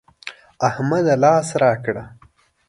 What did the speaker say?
احمده! لاس راکړه.